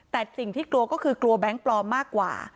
แต่สิ่งที่กลัวก็คือกลัวแบงค์ปลอมมากกว่า